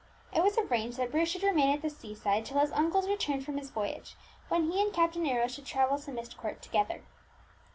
It was arranged that Bruce should remain at the sea side till his uncle's return from his voyage, when he and Captain Arrows should travel to Myst Court together.